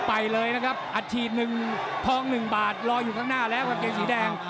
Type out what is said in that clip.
อัดทีหนึ่งคลองนึงบาทจัดปลอดภัยรออยู่ในหน้าร้ายสีแดง